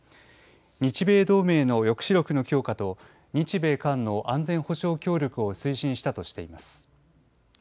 日米同盟の抑止力の強化と日米韓の安全保障協力を推進したとしています。